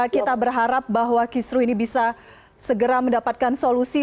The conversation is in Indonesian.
kita berharap bahwa kisru ini bisa segera mendapatkan solusi